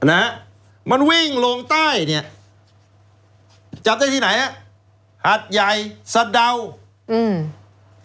นะฮะมันวิ่งลงใต้เนี้ยจับได้ที่ไหนฮะหัดใหญ่สะดาวอืม